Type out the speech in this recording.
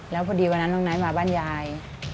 แล้วพอดีวันนั้นน้องไนท์มาบ้านยาย